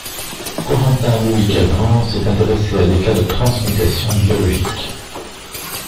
Corentin Louis Kervran s’est intéressé à des cas de transmutations biologiques.